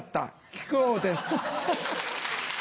木久扇です！